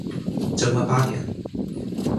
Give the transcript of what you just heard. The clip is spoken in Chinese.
贞观八年。